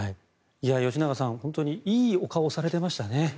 吉永さん、本当にいいお顔をされていましたね。